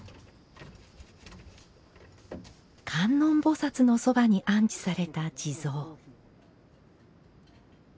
観音菩薩のそばに安置された地蔵。